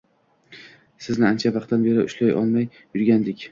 Sizni ancha vaqtdan beri ushlay olmay yurgandik